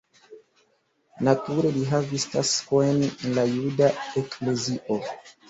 Nature li havis taskojn en la juda eklezio.